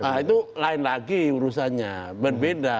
nah itu lain lagi urusannya berbeda